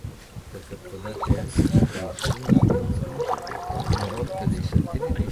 بجلی کی تقسیم کار کمپنیوں کے سربراہان عہدوں سے فارغ